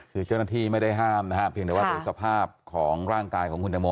คือเจ้าหน้าที่ไม่ได้ห้ามนะฮะเพียงแต่ว่าโดยสภาพของร่างกายของคุณตังโม